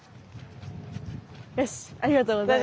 よしありがとうございます。